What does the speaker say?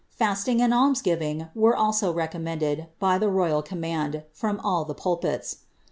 Fasting and idms ffiTing were y recommended, by the royal command, from all the pnl|ms.